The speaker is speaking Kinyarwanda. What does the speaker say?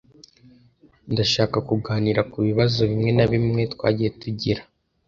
Ndashaka kuganira kubibazo bimwe na bimwe twagiye tugira.